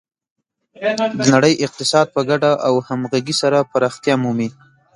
د نړۍ اقتصاد په ګډه او همغږي سره پراختیا مومي.